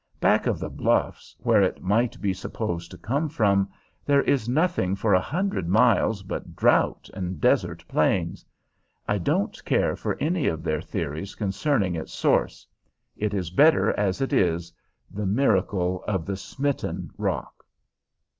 Back of the bluffs, where it might be supposed to come from, there is nothing for a hundred miles but drought and desert plains. I don't care for any of their theories concerning its source. It is better as it is the miracle of the smitten rock.